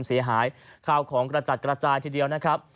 เสียหายข้าวของกระจัดกระจายทีเดียวนะครับ